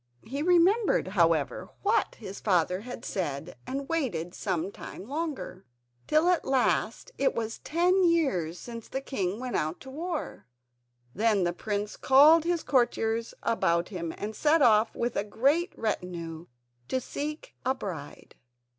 He remembered, however, what his father had said, and waited some time longer, till at last it was ten years since the king went out to war. Then the prince called his courtiers about him and set off with a great retinue to seek a bride.